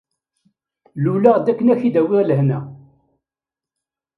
Luleɣ-d akken ad k-id-awiɣ lehna.